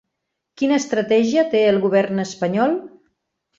Quina estratègia té el govern espanyol?